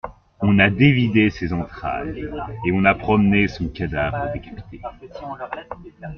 On a dévidé ses entrailles, et on a promené son cadavre décapité!